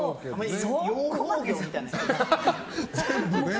養蜂業みたいなね。